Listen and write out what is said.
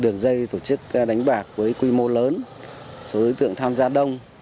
đường dây tổ chức đánh bạc với quy mô lớn số đối tượng tham gia đông